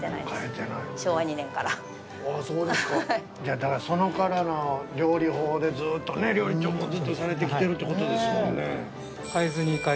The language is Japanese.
だからそこからの料理法でずっとね料理長もずっとされてきてるということですもんね。